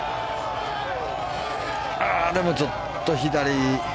でもちょっと左。